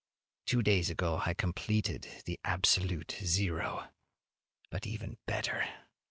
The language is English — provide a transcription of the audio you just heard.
Two days ago I completed the absolute zero. But even better!